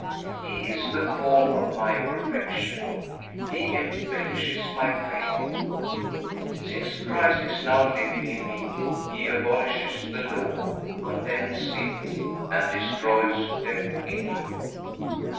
He is the form of my perfection. He embellishes my faith. Since Christ is now living in me, He abolishes the Law, condemns sin, and destroys death in me.